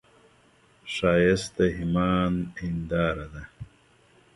ښایست د ایمان هنداره ده